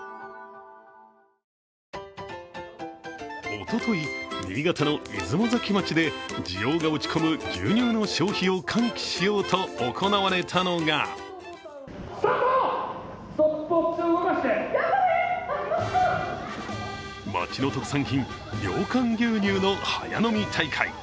おととい、新潟の出雲崎町で需要が落ち込む牛乳の消費を喚起しようと行われたのが町の特産品良寛牛乳の早飲み大会。